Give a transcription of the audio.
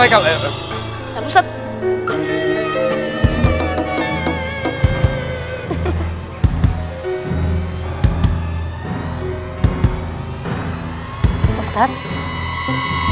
pak ustadz kenapa gemeteran kayak gitu